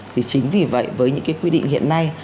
thì chính vì vậy với những cái quy định hiện nay